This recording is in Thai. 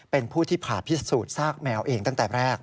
เป็นผู้ที่ผ่าพิสูจน์ซากแมวเองตั้งแต่แรก